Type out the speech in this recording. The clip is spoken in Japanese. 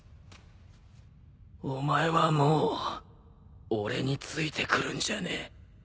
お前はもう俺についてくるんじゃねえ。